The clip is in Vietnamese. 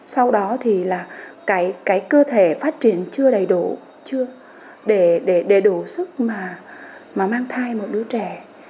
sau đó thì cơ thể phát triển chưa đầy đủ để đủ sức mà mang thai một đứa trẻ